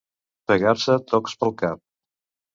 Pegar-se tocs pel cap.